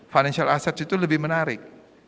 financial asses itu lebih menarik